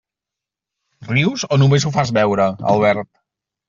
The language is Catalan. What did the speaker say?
Rius o només ho fas veure, Albert?